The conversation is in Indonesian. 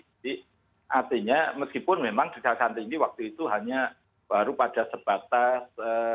jadi artinya meskipun memang kejaksaan tinggi waktu itu hanya baru pada sebatas